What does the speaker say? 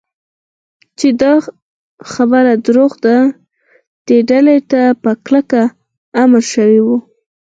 چې دا خبره دروغ ده، دې ډلې ته په کلکه امر شوی و.